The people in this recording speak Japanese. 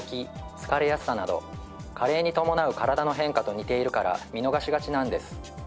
疲れやすさなど加齢に伴う体の変化と似ているから見逃しがちなんです。